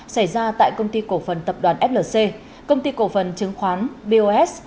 xảy ra tại công ty cổ phần tập đoàn flc công ty cổ phần chứng khoán bos